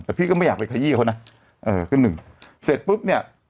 แต่พี่ก็ไม่อยากไปขยี้เขานะเออขึ้นหนึ่งเสร็จปุ๊บเนี่ย